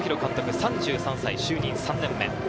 ３３歳、就任３年目。